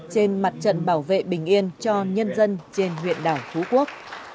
trên mặt trận bảo vệ bình yên cho nhân dân trên huyện đảo phú quốc